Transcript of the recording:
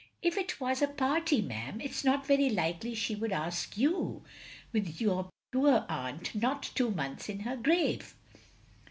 " If it was a party, ma'am, it 's not very likely she Would ask you, with your poor aunt not two months in her grave."